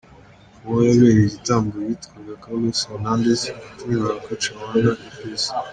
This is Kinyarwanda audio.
Uwo yabereye igitambo yitwaga Carlos Hernandez washinjwaga kwica Wanda Lopez.